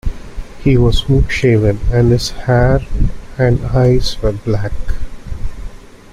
He was smooth-shaven, and his hair and eyes were black.